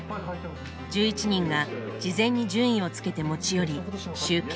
１１人が事前に順位をつけて持ち寄り集計。